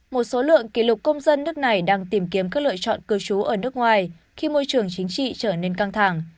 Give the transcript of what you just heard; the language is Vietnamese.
một số lượng kỷ lục công dân nước này đang tìm kiếm các lựa chọn cư trú ở nước ngoài khi môi trường chính trị trở nên căng thẳng